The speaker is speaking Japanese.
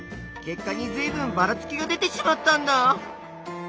結果にずいぶんばらつきが出てしまったんだ！